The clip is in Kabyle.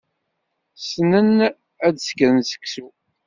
Ssnen ad sekren seksu.